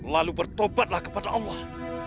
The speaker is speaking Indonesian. lalu bertobatlah kepada allah